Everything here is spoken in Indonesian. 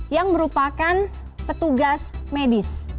yang merupakan petugas medis